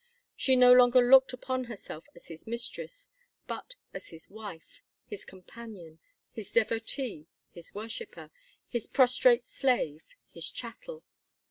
She no longer looked upon herself as his mistress, but as his wife, his companion, his devotee, his worshiper, his prostrate slave, his chattel.